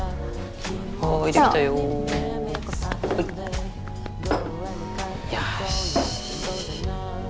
よし。